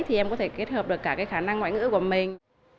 thì em có thể kết hợp được cả cái khả năng ngoại ngữ của mình